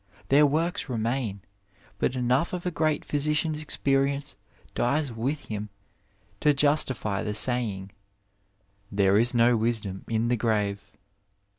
Their works remain ; but enough of a great physician's experience dies with him to justify the saying ^' there is no wisdom in the grave."